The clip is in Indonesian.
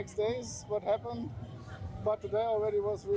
saya datang dari jerman dari frankfurt